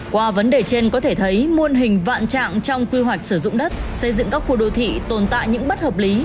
qua vấn đề trên có thể thấy muôn hình vạn trạng trong quy hoạch sử dụng đất xây dựng các khu đô thị tồn tại những bất hợp lý